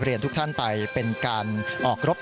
ทุกท่านไปเป็นการออกรบ